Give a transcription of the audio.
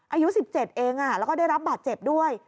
อายุ๑๗เองแล้วก็ได้รับบาดเจ็บด้วย